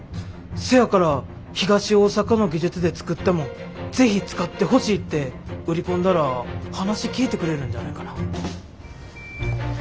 せやから東大阪の技術で作ったもんを是非使ってほしいって売り込んだら話聞いてくれるんじゃないかな。